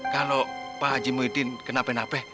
kalau pak haji muhyiddin kenape nape